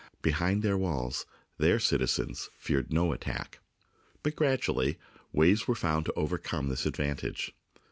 Behind their walls their citizens feared no attack. But, gradually, ways were found to overcome this advantage.